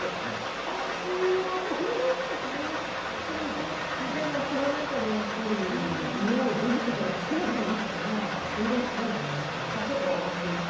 青木さんはコロナ禍でやっぱり家を出ることが少なくなりましたから運動はしていないと思います。